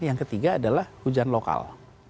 yang ketiga adalah hujan lokal